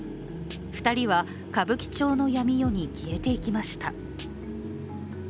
２人は、歌舞伎町の闇夜に消えていきました。